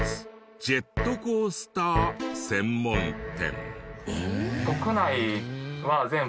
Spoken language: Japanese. ジェットコースター専門店」